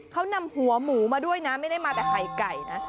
เขานำหัวหมูมาด้วยนะไม่ได้มาแต่ไข่ไก่นะ